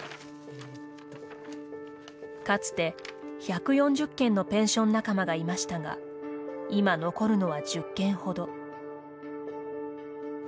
かつて１４０軒のペンション仲間がいましたが今残るのは１０軒ほど。